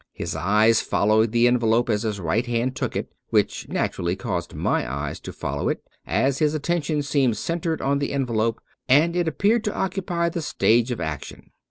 His eyes followed the envelope as his right hand took it ; which naturally caused my eyes to follow it, as his attention seemed centered on the envelope and it appeared to occupy the stage of action.